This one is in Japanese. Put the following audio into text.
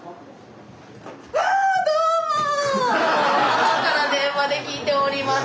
母から電話で聞いております。